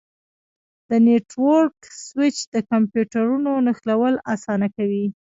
د نیټورک سویچ د کمپیوټرونو نښلول اسانه کوي.